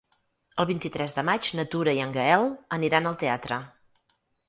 El vint-i-tres de maig na Tura i en Gaël aniran al teatre.